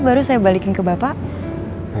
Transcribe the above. baru saya balikin ke bapak